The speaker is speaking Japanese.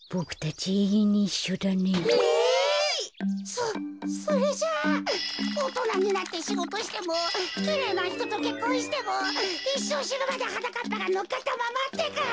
そそれじゃあおとなになってしごとしてもきれいなひととけっこんしてもいっしょうしぬまではなかっぱがのっかったままってか？